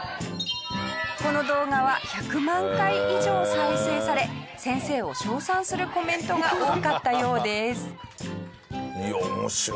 この動画は１００万回以上再生され先生を称賛するコメントが多かったようです。